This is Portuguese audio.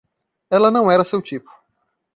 Ela não era seu tipo.